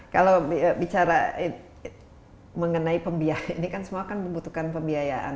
kalau bicara mengenai pembiayaan ini kan semua kan membutuhkan pembiayaan